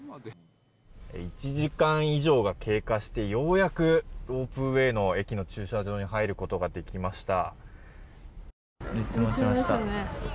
１時間以上が経過してようやくロープウェイの駅の駐車場に入ることができました。